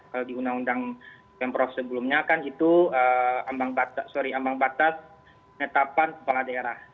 kalau di undang undang pemprov sebelumnya kan itu sorry ambang batas netapan kepala daerah